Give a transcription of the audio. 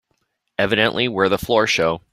Evidently we're the floor show.